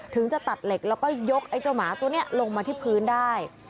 จะตัดเหล็กแล้วก็ยกไอ้เจ้าหมาตัวนี้ลงมาที่พื้นได้